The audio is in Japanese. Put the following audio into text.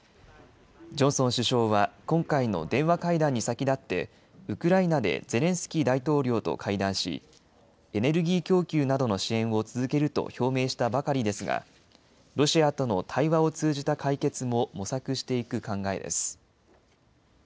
ジョンソン首相は今回の電話会談に先立ってウクライナでゼレンスキー大統領と会談し、エネルギー供給などの支援を続けると表明したばかりですがロシアとの対話を通じた解決も模索していく考えです。